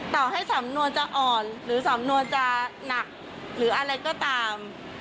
ต่อให้สำนวนจะอ่อนหรือสำนวนจะหนักหรืออะไรก็ตาม